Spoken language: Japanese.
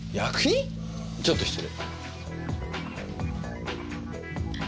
ちょっと失礼。